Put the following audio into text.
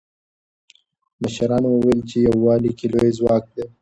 مشرانو وویل چې په یووالي کې لوی ځواک دی.